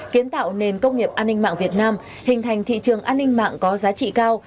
kiến tạo nền công nghiệp an ninh mạng việt nam hình thành thị trường an ninh mạng có giá trị cao